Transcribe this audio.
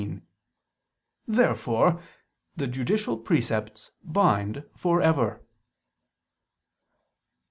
Therefore the judicial precepts bind for ever.